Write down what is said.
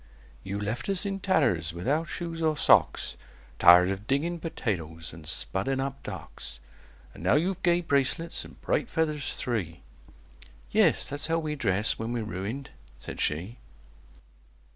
"You left us in tatters, without shoes or socks, Tired of digging potatoes, and spudding up docks; And now you've gay bracelets and bright feathers three!" "Yes: that's how we dress when we're ruined," said she.